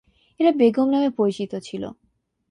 এরা বেগম নামে পরিচিত ছিলো।